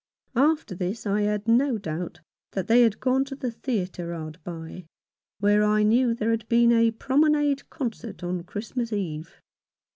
After this I had no doubt that they had gone to the theatre hard by, where I knew there had been a promenade concert on Christmas Eve.